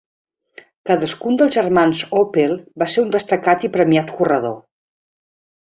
Cadascun dels germans Opel va ser un destacat i premiat corredor.